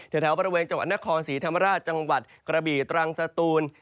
แถวบริเวณจังหวัดนครศรีธรรมราชจังหวัดกระบี่ตรังสตูน